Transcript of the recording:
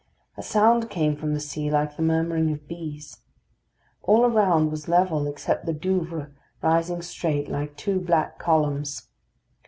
A sound came from the sea like the murmuring of bees. All around was level except the Douvres, rising straight, like two black columns.